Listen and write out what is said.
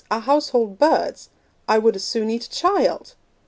our household birds! I would as soon eat a child!'